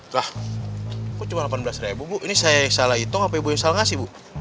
wah kok cuma delapan belas ribu bu ini saya salah hitung apa ibu yang salah ngasih bu